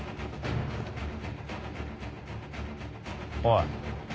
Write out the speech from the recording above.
おい。